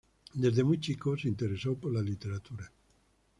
Desde muy chico se interesó por la literatura.